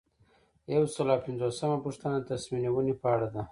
یو سل او پنځوسمه پوښتنه د تصمیم نیونې په اړه ده.